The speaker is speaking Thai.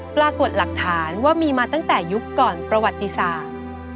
ปรากฏหลักฐานว่ามีมาตั้งแต่ยุคก่อนประวัติศาสตร์